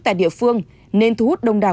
tại địa phương nên thu hút đông đảo